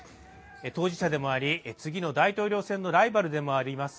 当事者でもあり次の大統領選のライバルでもあります